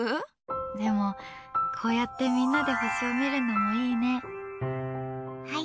でも、こうやってみんなで星を見るのもいいね。